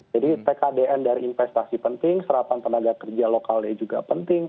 jadi tkdn dari investasi penting serapan tenaga kerja lokalnya juga penting